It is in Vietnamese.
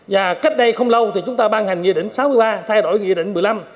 và cách đây không lâu thì chúng ta ban hành nghị định sáu mươi ba thay đổi nghị định một mươi năm